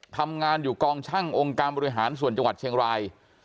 ทำงานอยู่กองช่างองค์การบริหารส่วนจังหวัดเชียงราย